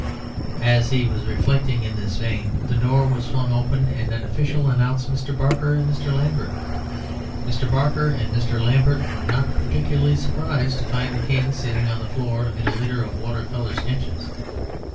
As he was reflecting in this vein, the door was flung open, and an official announced Mr. Barker and Mr. Lambert. Mr. Barker and Mr. Lambert were not particularly surprised to find the King sitting on the floor amid a litter of water colour sketches.